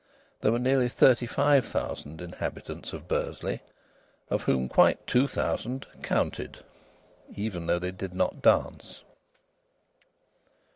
There were nearly thirty five thousand inhabitants in Bursley, of whom quite two thousand "counted," even though they did not dance.